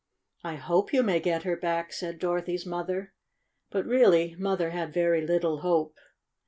"I hope you may get her back," said Dorothy 's mother. But really Mother had very little hope.